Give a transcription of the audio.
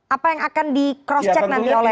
apa yang akan di cross check nanti oleh